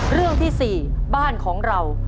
เรื่องที่๔บ้านของเรา